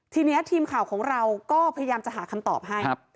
ทีนี้ทีมข่าวของเราก็พยายามจะหาคำตอบให้